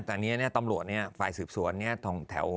ตอนเนี้ยเนี้ยตำรวจเนี้ยฝ่ายสืบสวนเนี้ยตรงแถว